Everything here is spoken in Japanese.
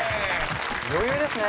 余裕ですね。